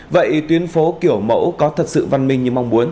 vậy tuyến phố kiểu mẫu có thật sự văn minh như mong muốn